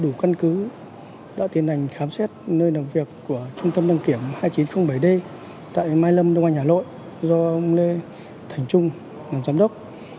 để đủ căn cứ đã tiến hành khám xét nơi làm việc của trung tâm đăng kiểm hai nghìn chín trăm linh bảy d tại mai lâm đông anh hà nội do ông lê thành trung làm giám đốc